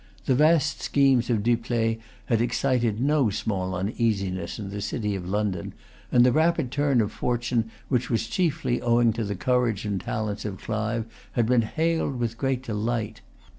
The vast schemes of Dupleix had excited no small uneasiness in the city of London; and the rapid turn of fortune, which was chiefly owing to the courage and talents of Clive, had been hailed with great delight.